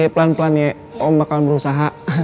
pelan pelan ya om akan berusaha